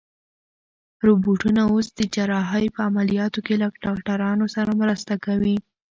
روبوټونه اوس د جراحۍ په عملیاتو کې له ډاکټرانو سره مرسته کوي.